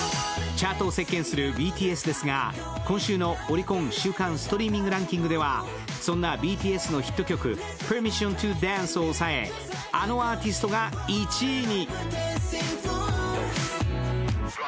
チャートを席巻するＢＴＳですが今週のオリコン週間ストリーミングランキングでは、そんなＢＴＳのヒット曲「ＰｅｒｍｉｓｓｉｏｎｔｏＤａｎｃｅ」を抑え、あのアーティストが１位に！